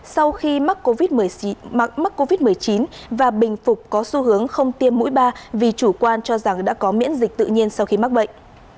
sau khi mắc covid một mươi chín và bình phục có xu hướng không tiêm mũi ba vì chủ quan cho rằng đã có miễn dịch tự nhiên sau khi mắc bệnh